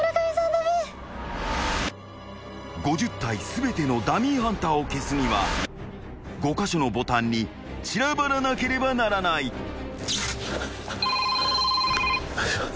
［５０体全てのダミーハンターを消すには５カ所のボタンに散らばらなければならない］